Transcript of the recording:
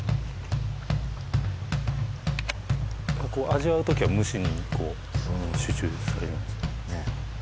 味わう時は無心にこう集中されるんですねねえ